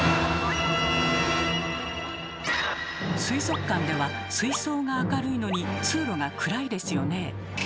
水族館では水槽が明るいのに通路が暗いですよね。